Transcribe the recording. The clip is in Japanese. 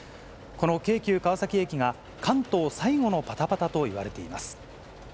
この京急川崎駅が関東最後のパタパタといわれています。